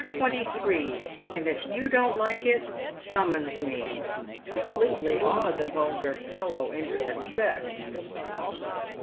23, and if you don't like it, summons me," completely awed the vulgar fellow into respect.